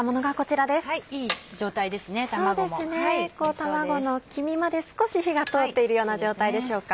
卵の黄身まで少し火が通っているような状態でしょうか。